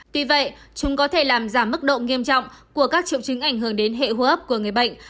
tuy vậy chúng có thể làm giảm mức độ nghiêm trọng của các triệu chứng ảnh hưởng đến hệ hô hấp của người bệnh